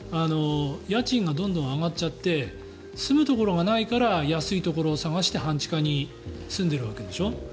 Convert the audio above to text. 家賃がどんどん上がっちゃって住むところがないから安いところを探して半地下に住んでいるわけでしょ。